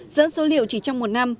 dẫn số liệu chỉ trong một năm